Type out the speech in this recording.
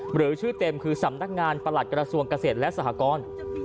หรือชื่อเต็มคือสำนักงานประหลัดกระทรวงเกษตรและสหกร